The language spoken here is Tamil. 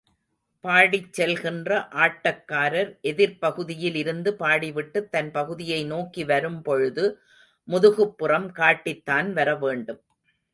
பாடிச் செல்கின்ற ஆட்டக்காரர் எதிர்ப்பகுதியில் இருந்து பாடிவிட்டுத் தன் பகுதியை நோக்கி வரும் பொழுது, முதுகுப்புறம் காட்டித்தான் வரவேண்டும்.